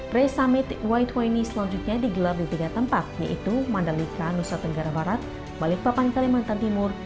ray summit y dua puluh selanjutnya digelar di tiga tempat yaitu mandalika nusa tenggara barat balikpapan kalimantan timur